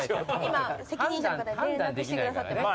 今責任者の方に連絡してくださってます。